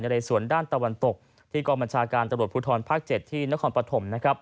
ในเลยสวนด้านตะวันตกที่กรมชาการตรวจภูทรภาค๗ที่นครปฐม